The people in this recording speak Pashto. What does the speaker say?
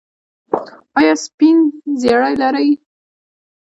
ایا سپین زیړی لرئ؟